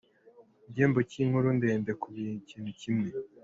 Igihembo cy’inkuru ndende ku kintu kimwe.